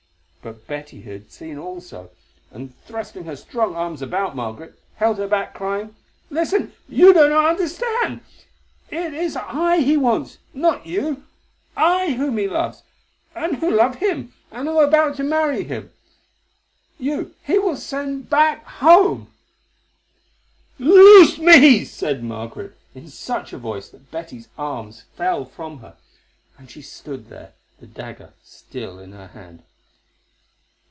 But Betty had seen also, and, thrusting her strong arms about Margaret, held her back, crying: "Listen, you do not understand. It is I he wants—not you; I whom he loves, and who love him, and am about to marry him. You he will send back home." In another moment that steel would have pierced his heart "Loose me," said Margaret, in such a voice that Betty's arms fell from her, and she stood there, the dagger still in her hand.